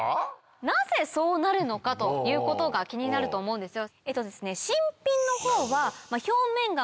なぜそうなるのかということが気になると思うんですよ。